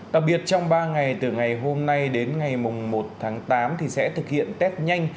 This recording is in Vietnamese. đặc biệt trong ba ngày từ ngày hôm nay đến ngày một tháng tám thì sẽ thực hiện test nhanh